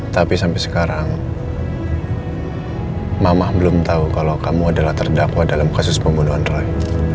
tapi sampai sekarang mamah belum tahu kalau kamu adalah terdakwa dalam kasus pembunuhan roy